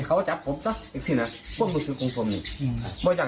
เขาจับผมซะอีกสินะพวกมันคือคุณผมนี่อืมเพราะอยาก